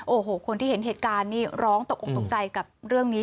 โอ้โหคนที่เห็นเหตุการณ์นี่ร้องตกออกตกใจกับเรื่องนี้